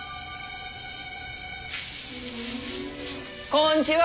こんちは。